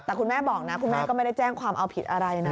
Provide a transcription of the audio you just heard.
แต่คุณแม่บอกนะคุณแม่ก็ไม่ได้แจ้งความเอาผิดอะไรนะ